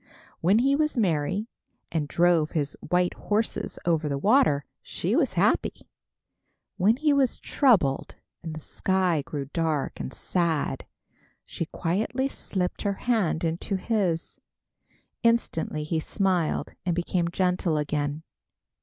When he was merry, and drove his white horses over the water, she was happy. When he was troubled, and the sky grew dark and sad, she quietly slipped her hand into his. Instantly he smiled, and became gentle again.